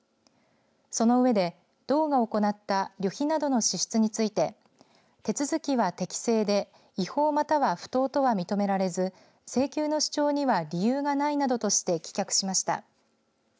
その上で道が行った旅費などの支出について手続きは適正で違法または不当とは認められず請求の主張には理由がないなどとして棄却しました。